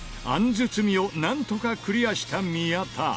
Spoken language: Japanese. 包みをなんとかクリアした宮田。